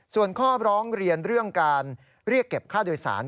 ส่วนข้อร้องเรียนเรื่องการเรียกเก็บค่าโดยสาร